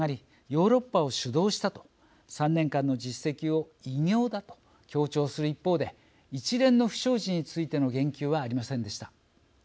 ヨーロッパを主導したと３年間の実績を偉業だと強調する一方で一連の不祥事についての言及はありませんでした。